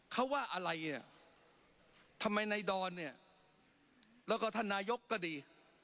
เขาว่าอะไรเนี่ยทำไมในดอนเนี่ยแล้วก็ท่านนายกก็ดี